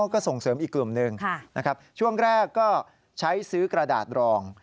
ก็ส่งเสริมอีกกลุ่มหนึ่งนะครับช่วงแรกก็ใช้ซื้อกระดาษรอง